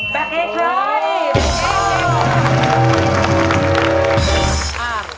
แบลกเฮียดคล้าย